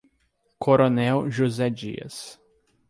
Coronel José Dias